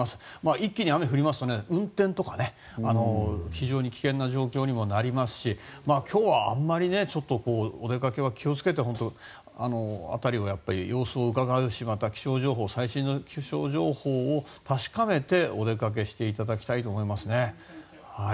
一気に雨が降ると運転とかが非常に危険になりますし今日はあまりお出かけは気を付けて辺りの様子をうかがってまた、最新の気象情報を確かめて、お出かけしていただきたいと思います。